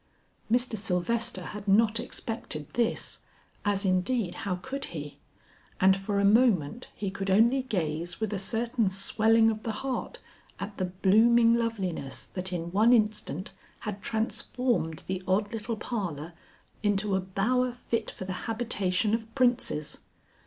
Mr. Sylvester had not expected this, as indeed how could he, and for a moment he could only gaze with a certain swelling of the heart at the blooming loveliness that in one instant had transformed the odd little parlor into a bower fit for the habitation of princes.